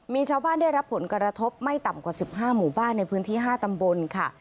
มีชาวบ้านได้รับผลกระทบไม่ต่ำกว่า๑๕หมู่บ้านในพื้นที่๕ตำบลค่ะ